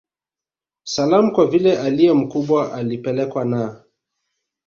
Salaam Kwa vile aliye mkubwa alipelekwa na